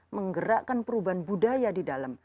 menggerakkan perubahan budaya di dalam